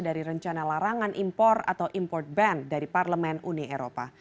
dari rencana larangan impor atau import ban dari parlemen uni eropa